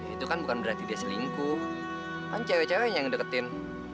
itu kan bukan berarti dia selingkuh kan cewek cewek yang deketin